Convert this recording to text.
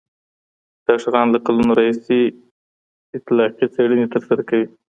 ډاکټران له کلونو راهیسې اطلاقي څېړنې ترسره کوي.